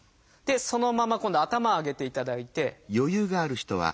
そのまま今度は頭上げていただいて。